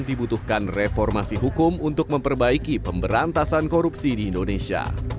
dibutuhkan reformasi hukum untuk memperbaiki pemberantasan korupsi di indonesia